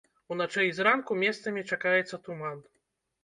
Уначы і зранку месцамі чакаецца туман.